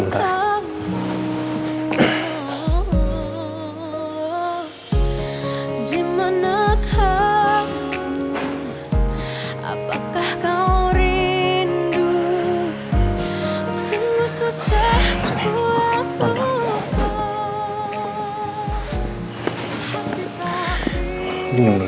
kita enak banget similarity